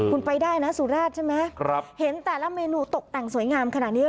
คุณไปได้นะสุราชใช่ไหมเห็นแต่ละเมนูตกแต่งสวยงามขนาดนี้